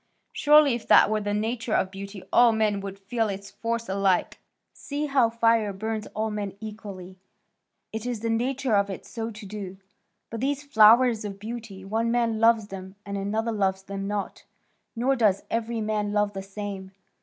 Surely if that were the nature of beauty, all men would feel its force alike. See how fire burns all men equally; it is the nature of it so to do; but these flowers of beauty, one man loves them, and another loves them not, nor does every man love the same.